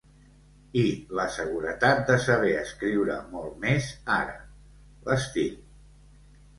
I la seguretat de saber escriure molt més ara: l’estil.